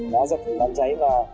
đã giật đánh giáy và